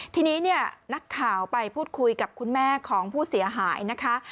ทีนี้เนี่ยนักข่าวไปพูดคุยกับคุณแม่ของผู้เสียหายนะคะ